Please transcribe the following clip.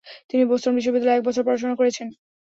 তিনি বোস্টন বিশ্ববিদ্যালয়ে এক বছর পড়াশোনা করেছেন।